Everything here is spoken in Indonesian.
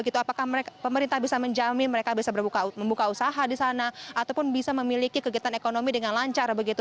apakah pemerintah bisa menjamin mereka bisa membuka usaha di sana ataupun bisa memiliki kegiatan ekonomi dengan lancar begitu